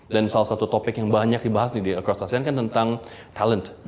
dan salah satu topik yang banyak dibahas di across asean kan tentang talent